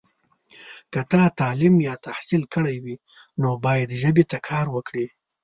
که تا تعلیم یا تحصیل کړی وي، نو باید ژبې ته کار وکړې.